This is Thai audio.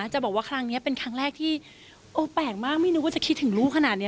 จะบอกว่าครั้งนี้เป็นครั้งแรกที่โอ้แปลกมากไม่นึกว่าจะคิดถึงลูกขนาดนี้